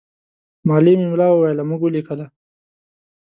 معلم املا وویله، موږ ولیکله.